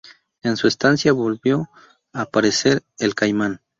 En su estancia, volvió a aparecer el caimán.